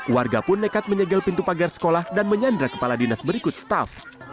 warga pun nekat menyegel pintu pagar sekolah dan menyandra kepala dinas berikut staff